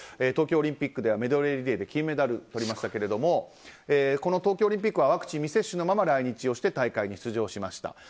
東京オリンピックではメドレーリレーで金メダルをとりましたけどこの東京オリンピックはワクチン未接種のまま来日をして大会に出場しました。